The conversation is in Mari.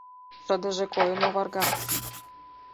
Шыдыже койын оварга.